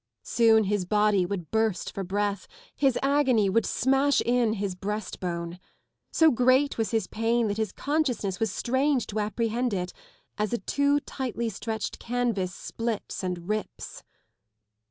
Soon his body would burst for breath, his agony would smash in his breast bone. So great was his pain that his conscious ness was strained to apprehend it, as a too tightly stretched canvas splits and rips.